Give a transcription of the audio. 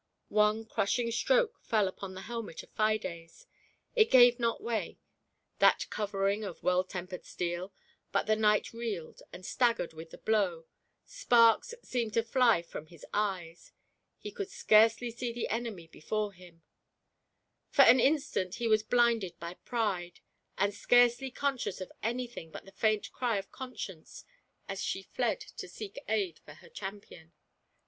One crush ing stroke fell upon the helmet of Fides; it gave not way, that covering of well tempered steel, but thfe knight reeled and staggered with the blow; sparks seemed to fly from his eyes; he could scarcely see the enemy before him; for an instant he was blinded by Pride, and scarcely conscious of anything but the faint cry of Con science as she fled to seek aid for her champion.